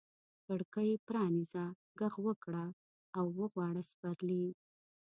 کړکۍ پرانیزه، ږغ وکړه را وغواړه سپرلي